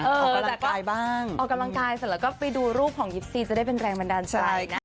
จากอะไรบ้างออกกำลังกายเสร็จแล้วก็ไปดูรูปของ๒ซีจะได้เป็นแรงบันดาลใจนะ